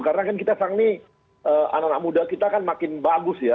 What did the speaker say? karena kan kita sekarang ini anak anak muda kita kan makin bagus ya